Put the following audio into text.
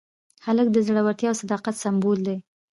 هلک د زړورتیا او صداقت سمبول دی.